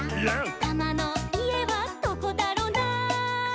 「タマのいえはどこだろな」